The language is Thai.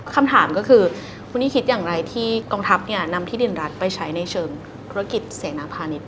คำถามก็คือคุณนี่คิดอย่างไรที่กองทัพนำที่ดินรัฐไปใช้ในเชิงธุรกิจเสนาพาณิชย